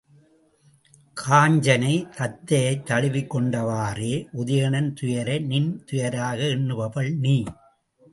காஞ்சனை, தத்தையைத் தழுவிக் கொண்டவாறே, உதயணன் துயரை நின் துயராக எண்ணுபவள் நீ!